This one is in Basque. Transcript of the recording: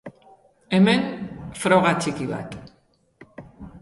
Hemen froga txiki bat.